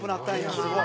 すごい」